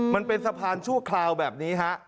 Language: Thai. มันเป็นสะพานชั่วคราวแบบนี้ฮะ